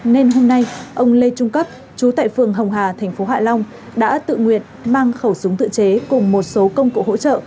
nên hôm nay ông lê trung cấp chú tại phường hồng hà thành phố hạ long đã tự nguyện mang khẩu súng tự chế cùng một số công cụ hỗ trợ